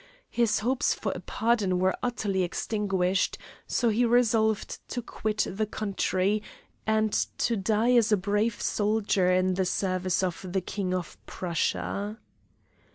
His hopes for a pardon were utterly extinguished, so he resolved to quit the country, and to die as a brave soldier in the service of the King of Prussia.